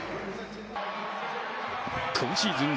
今シーズン